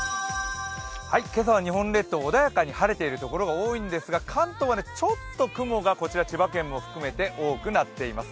今朝は日本列島、穏やかに晴れている所、多いんですが関東はちょっと雲が、こちら千葉県も含めて多くなっています。